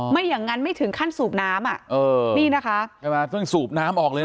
ไม่อย่างนั้นไม่ถึงขั้นสูบน้ำอ่ะเออนี่นะคะใช่ไหมต้องสูบน้ำออกเลยนะ